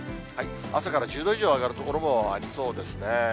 朝から１０度以上上がる所もありそうですね。